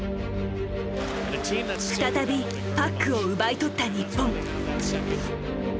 再びパックを奪い取った日本。